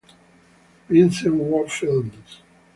"Vincent Ward Films"